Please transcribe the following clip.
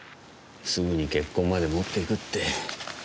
すぐに結婚まで持っていくって。